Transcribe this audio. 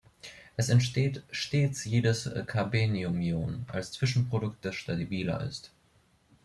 Es entsteht stets jenes Carbeniumion als Zwischenprodukt, das stabiler ist.